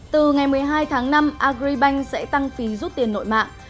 từ ngày một mươi hai tháng năm agribank sẽ tăng phí rút tiền nội mạng